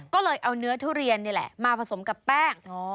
ก็เลยเอาเนื้อทุเรียนนี่แหละมาผสมกับแป้ง